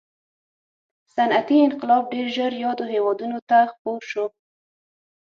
صنعتي انقلاب ډېر ژر یادو هېوادونو ته خپور شو.